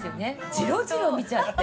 ジロジロ見ちゃって。